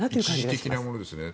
一時的なものですね。